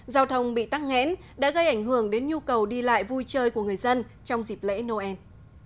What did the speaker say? giao thông bị tắt nghẽn đã gây ảnh hưởng đến nhu cầu đi lại vui chơi của người dân trong dịp lễ noel